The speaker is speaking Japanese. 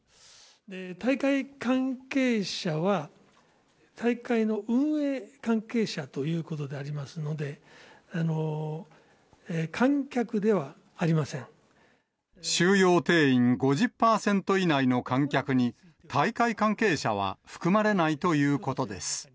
大会関係者は大会の運営関係者ということでありますので、収容定員５０％以内の観客に、大会関係者は含まれないということです。